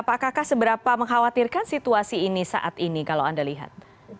pak kakak seberapa mengkhawatirkan situasi ini saat ini kalau anda lihat